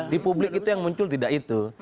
di publik itu yang muncul tidak itu